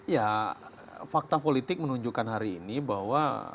ya fakta politik menunjukkan hari ini bahwa